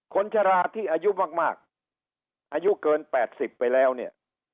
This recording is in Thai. คนชะลาที่อายุมากมากอายุเกินแปดสิบไปแล้วเนี่ย